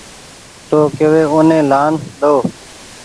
تو ڪيوي اوني لآن ۮئو